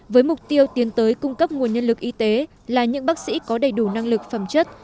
với mục tiêu tiến tới cung cấp nguồn nhân lực y tế là những bác sĩ có đầy đủ năng lực phẩm chất